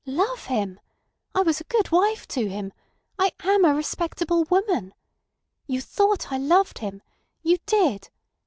"Love him! I was a good wife to him. I am a respectable woman. You thought I loved him! You did!